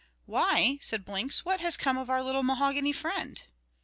"Why," said Blinks, "what has become of our little mahogany friend?"